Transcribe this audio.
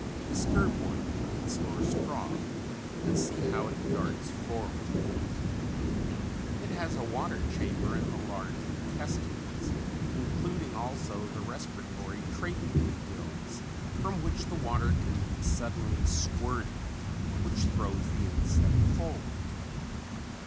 Disturb one with a pencil or straw and see how it darts forward. It has a water chamber in the large intestines, including also the respiratory tracheal gills, from which the water can be suddenly squirted which throws the insect forward.